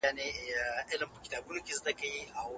زه خو يو خوار او يو بې وسه انسان